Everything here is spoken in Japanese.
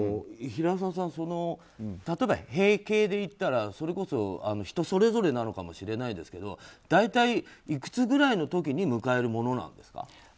例えば閉経でいったらそれこそ、人それぞれなのかもしれないですけど大体いくつくらいの時に迎えるものなんですか。